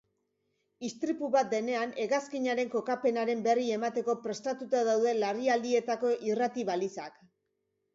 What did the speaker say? Istripu bat denean, hegazkinaren kokapenaren berri emateko prestatuta daude larrialdietako irratibalizak.